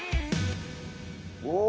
お。